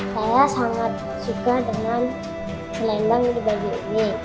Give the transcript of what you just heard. saya sangat suka dengan selendang di baju ini